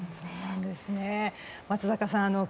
松坂さん